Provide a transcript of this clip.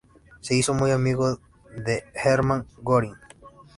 Se hizo muy amigo de Hermann Göring.